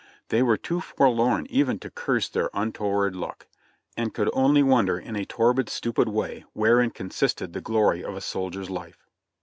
They were too forlorn even to curse their untoward luck ; and could only wonder in a torpid, stupid way, wherein consisted the glory of a soldier's life.